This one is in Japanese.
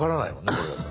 これだと。